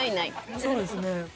そうですね。